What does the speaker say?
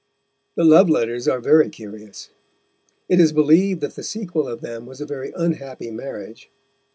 The love letters are very curious. It is believed that the sequel of them was a very unhappy marriage.